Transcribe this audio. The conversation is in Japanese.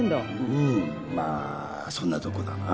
うんまあそんなとこだな。